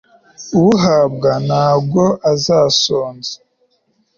uwuhabwa ntabwo azasonza